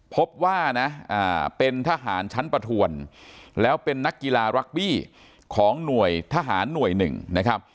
พบว่านะเป็นทหารชั้นประทวนแล้วเป็นนักกีฬารักบี้ของหน่วยทหารหน่วยหนึ่งนะครับ